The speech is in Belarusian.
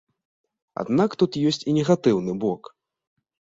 Аднак тут ёсць і негатыўны бок.